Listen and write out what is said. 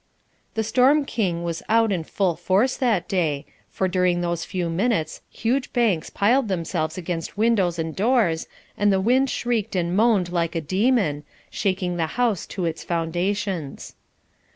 The Storm King was out in full force that day, for during those few minutes huge banks piled themselves against windows and doors, and the wind shrieked and moaned like a demon, shaking the house to its foundations.